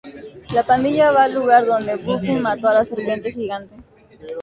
La pandilla va al lugar donde Buffy mató a la serpiente gigante.